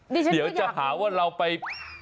เดี๋ยวจะหาว่าเราไป